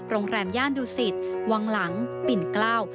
โรงแรมย่านดูศิษฐ์วังหลังปิ่นเกล้า